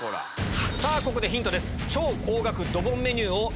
ここでヒントです。